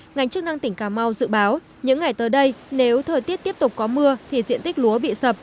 ngành chức năng tỉnh cà mau dự báo những ngày tới đây nếu thời tiết tiếp tục có mưa thì diện tích lúa bị sập